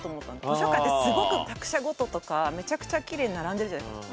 図書館ってすごく作者ごととかめちゃくちゃきれいに並んでるじゃないですか。